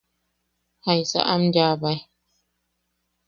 ¿Jaisa am yaʼabae?